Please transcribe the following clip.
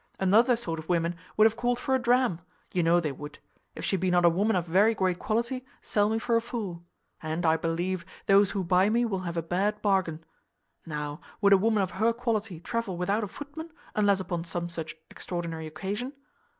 Another sort of women would have called for a dram; you know they would. If she be not a woman of very great quality, sell me for a fool; and, I believe, those who buy me will have a bad bargain. Now, would a woman of her quality travel without a footman, unless upon some such extraordinary occasion?"